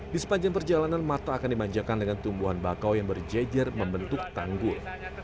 di sepanjang perjalanan mata akan dimanjakan dengan tumbuhan bakau yang berjejer membentuk tanggul